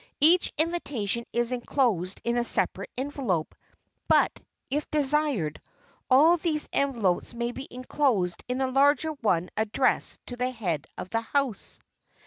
Each invitation is enclosed in a separate envelope, but, if desired, all these envelopes may be enclosed in a larger outer one addressed to the head of the house.